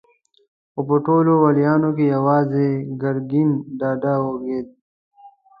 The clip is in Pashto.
خو په ټولو واليانو کې يواځې ګرګين ډاډه وغږېد.